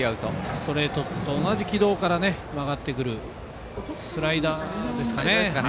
ストレートと同じ軌道から曲がってくるスライダーですかね。